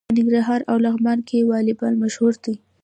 په ننګرهار او لغمان کې والیبال مشهور دی.